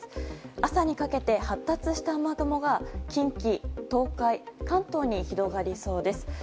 朝にかけて発達した雨雲が近畿・東海関東に広がりそうです。